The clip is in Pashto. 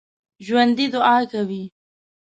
ژوندي دعا کوي